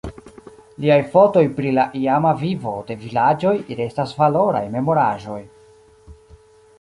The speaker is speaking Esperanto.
Liaj fotoj pri la iama vivo de vilaĝoj restas valoraj memoraĵoj.